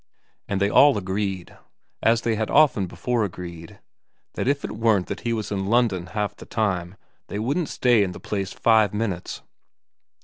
And they all agreed, as they had often before agreed, that if it weren't that he was in London half the time they wouldn't stay in the place five minutes.